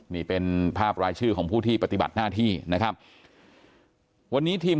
นี่เป็นภาพรายชื่อของผู้ที่ปฏิบัติหน้าที่นะครับวันนี้ทีม